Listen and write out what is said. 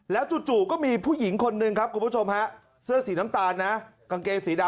จู่ก็มีผู้หญิงคนหนึ่งครับคุณผู้ชมฮะเสื้อสีน้ำตาลนะกางเกงสีดำ